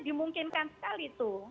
dimungkinkan sekali itu